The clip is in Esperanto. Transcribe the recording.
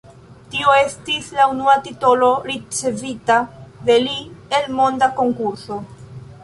Tio estas la unua titolo, ricevita de li el monda konkurso.